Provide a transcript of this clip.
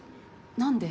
何で？